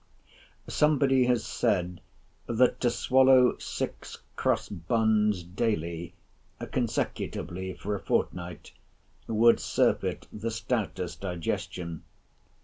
Somebody has said, that to swallow six cross buns daily consecutively for a fortnight would surfeit the stoutest digestion.